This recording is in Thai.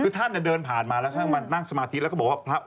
คือท่านเดินผ่านมาแล้วท่านมานั่งสมาธิแล้วก็บอกว่าพระ